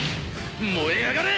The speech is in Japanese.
燃え上がれ！